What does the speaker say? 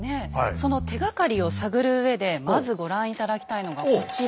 その手がかりを探るうえでまずご覧頂きたいのがこちら。